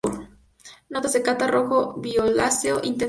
Notas de Cata: Rojo violáceo, intenso y brillante.